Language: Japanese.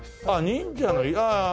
忍者のああ